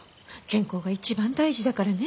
健康が一番大事だからね。